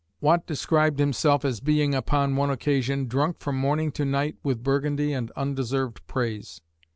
Watt described himself as being, upon one occasion, "drunk from morning to night with Burgundy and undeserved praise."